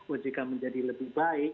ojk menjadi lebih baik